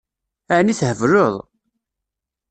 Ɛni thebleḍ?